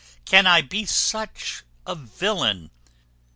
Can I be such a villain?